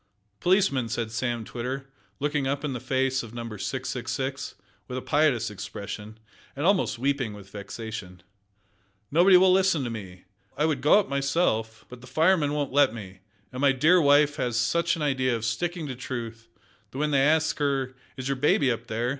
"Policeman!" said Sam Twitter, looking up in the face of Number 666, with a piteous expression, and almost weeping with vexation, "nobody will listen to me. I would go up myself, but the firemen won't let me, and my dear wife has such an idea of sticking to truth that when they ask her, `Is your baby up there?'